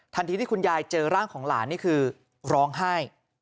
ที่คุณยายเจอร่างของหลานนี่คือร้องไห้